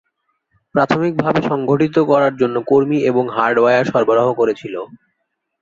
প্রাথমিকভাবে সংগঠিত করার জন্য কর্মী এবং হার্ডওয়্যার সরবরাহ করেছিলো।